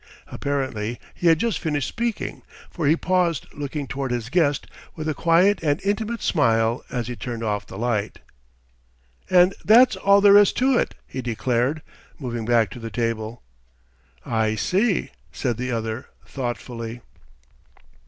Apparently he had just finished speaking, for he paused, looking toward his guest with a quiet and intimate smile as he turned off the light. "And that's all there is to it," he declared, moving back to the table. "I see," said the other thoughtfully.